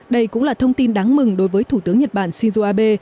đây cũng là thông tin đáng mừng đối với thủ tướng nhật bản shinzo abe